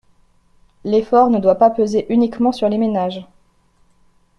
L’effort ne doit pas peser uniquement sur les ménages.